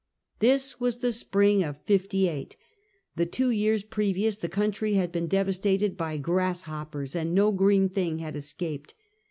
This was in the spring of '58. The two years pre vious the country had been devastated by grasshop pers, and no green thing had escaped.